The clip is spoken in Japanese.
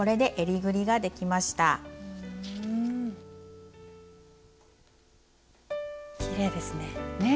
きれいですね。